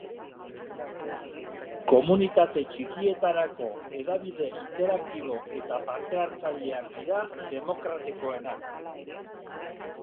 Komunitate txikietarako hedabide interaktibo eta partehartzaileak dira demokratikoenak.